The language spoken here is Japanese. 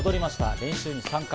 練習に参加。